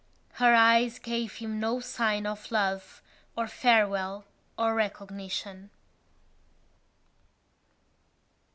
Her eyes gave him no sign of love or farewell or recognition.